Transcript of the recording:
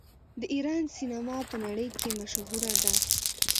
د ایران سینما په نړۍ کې مشهوره ده.